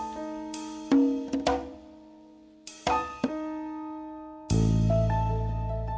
dek aku mau ke sana